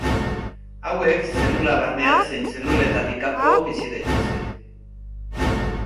Hauek zelula barnean zein zeluletatik kanpo bizi daitezke.